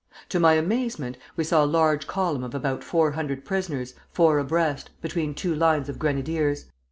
To my amazement, we saw a large column of about four hundred prisoners, four abreast, between two lines of grenadiers.